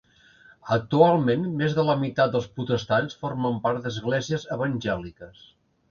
Actualment, més de la meitat dels protestants formen part d'esglésies evangèliques.